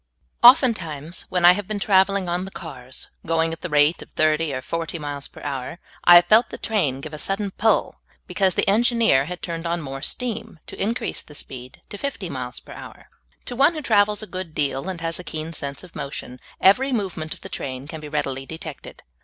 OFTENTIMES, when I have been traveling on the cars, going at the rate of thirty or forty miles per hour, I have felt the train give a sudden pull, be cause the engineer had turned on more steam to in crease the speed to fifty miles per hour. To one who travels a good deal, and has a keen sense of motion, every movement of the train can be readily detected.